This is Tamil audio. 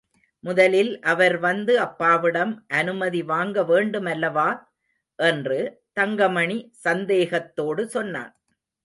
முதலில் அவர் வந்து அப்பாவிடம் அனுமதி வாங்க வேண்டுமல்லவா? என்று தங்கமணி சந்தேகத்தோடு சொன்னான்.